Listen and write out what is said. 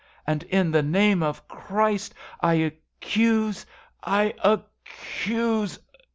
And, in the name of Christ, I accuse, I accuse